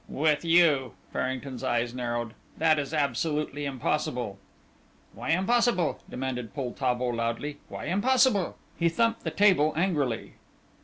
"With you," Farrington's eyes narrowed; "that is absolutely impossible." "Why impossible?" demanded Poltavo loudly; "why impossible?" He thumped the table angrily.